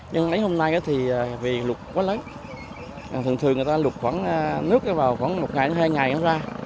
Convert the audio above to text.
nhưng lấy hôm nay thì vì lụt quá lớn thường thường người ta lụt khoảng nước vào khoảng một hai ngày ra